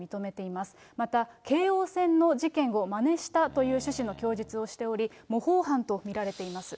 また、京王線の事件をまねしたという趣旨の供述をしており、模倣犯と見られています。